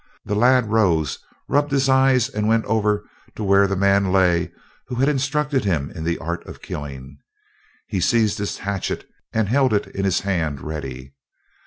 The lad rose, rubbed his eyes and went over to where the man lay, who had instructed him in the art of killing. He seized his hatchet and held it in his hand ready.